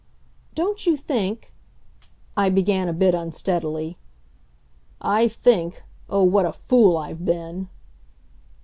"Don't you think " I began a bit unsteadily. "I think oh, what a fool I've been!"